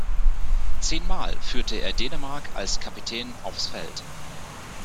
Zehnmal führte er Dänemark als Kapitän aufs Feld.